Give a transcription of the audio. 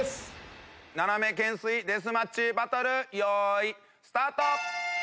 斜め懸垂デスマッチバトル用意スタート！